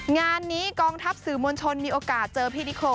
งานนี้กองทัพสื่อมวลชนมีโอกาสเจอพี่นิโค